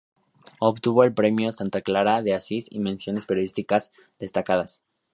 Obtuvo el premio Santa Clara de Asís y menciones periodísticas destacadas.